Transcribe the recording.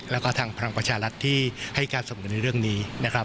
แล้วก็ทางพลังประชาธิ์รัฐที่ให้การสมมุติในเรื่องนี้